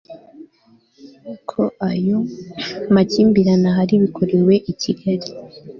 ko ayo makimbirane ahari bikorewe i kigali